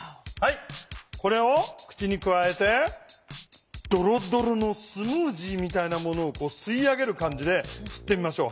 これを口にくわえてドロドロのスムージーみたいなものをすい上げる感じですってみましょう。